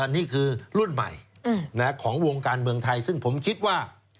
นี่คือรุ่นใหม่ของวงการเมืองไทยซึ่งผมคิดว่า